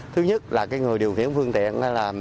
thứ nhất là người điều khiển phương tiện